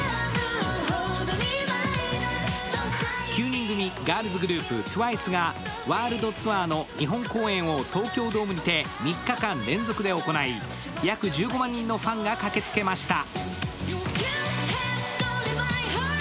９人組ガールズグループＴＷＩＣＥが、ワールドツアーの日本公演を東京ドームにて３日間連続で行い約１５万人ファンが駆けつけました。